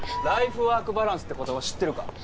ライフワークバランスって言葉知ってるか？